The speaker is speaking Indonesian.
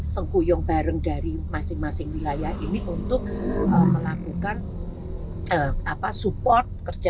yang kuyung bareng dari masing masing wilayah ini untuk melakukan support